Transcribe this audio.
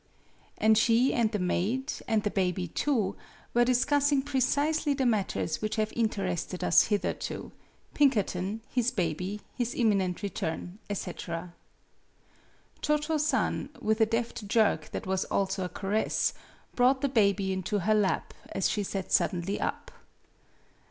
AND she and the maid, and the baby too, were discussing precisely the matters which have interested us hitherto Pinkerton, his baby, his imminent return, etc. Cho Cho San, with a deft jerk that was also a caress, brought the baby into her lap as she sat suddenly up.